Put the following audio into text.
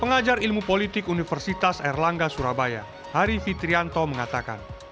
pengajar ilmu politik universitas erlangga surabaya hari fitrianto mengatakan